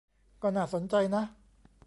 ก็น่าสนใจนะ